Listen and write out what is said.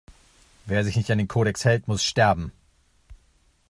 Wer sich nicht an den Kodex hält, muss sterben!